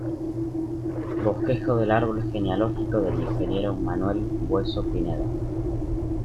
Bosquejo del árbol genealógico del ingeniero Manuel Bueso Pineda.